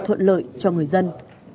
thuận lợi cho người dân